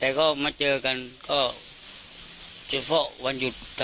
แต่ก็มาเจอกันก็เจฟะวันหยุดครับ